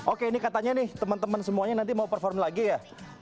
oke ini katanya nih teman teman semuanya nanti mau perform lagi ya